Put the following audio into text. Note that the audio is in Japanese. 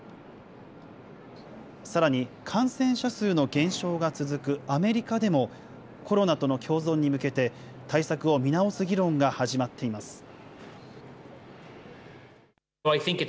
さらに、感染者数の減少が続くアメリカでも、コロナとの共存に向けて、対策を見直す議論が始まっています。